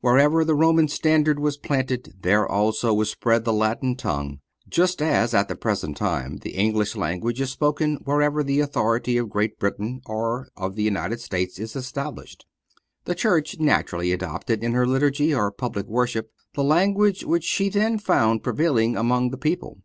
Wherever the Roman standard was planted, there also was spread the Latin tongue; just as at the present time the English language is spoken wherever the authority of Great Britain or of the United States is established. The Church naturally adopted in her Liturgy, or public worship, the language which she then found prevailing among the people.